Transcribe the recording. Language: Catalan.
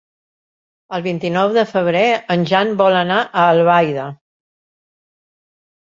El vint-i-nou de febrer en Jan vol anar a Albaida.